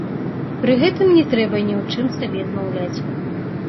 Пры гэтым не трэба ні ў чым сабе адмаўляць.